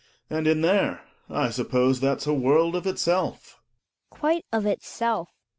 And in there — I suppose that's a world ot itself. Hedvig. Quite of itself.